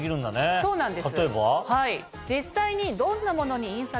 そうなんです。